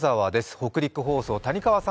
北陸放送、谷川さん